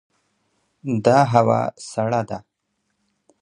دا هوا سړه ده.